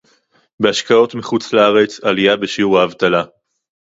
בהשקעות מחוץ-לארץ, עלייה בשיעור האבטלה